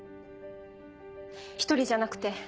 一人じゃなくて。